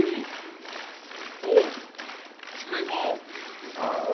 おっ、宿題か？